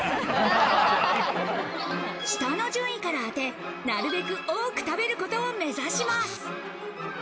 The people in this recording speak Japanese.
下の順位から当て、なるべく多く食べることを目指します。